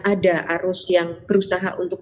ada arus yang berusaha untuk